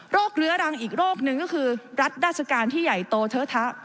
เรื้อรังอีกโรคนึงก็คือรัฐราชการที่ใหญ่โตเทอะทะ